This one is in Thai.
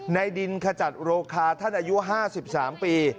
ในดินขจัดโรคาท่านอายุ๕๓ปี